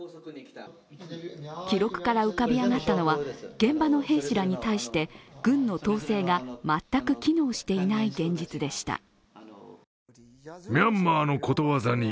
記録から浮かび上がったのは現場の兵士らに対して軍の統制が全く機能していない現実でした。